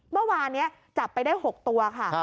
เมื่อวานนี้จับไปได้๖ตัวค่ะ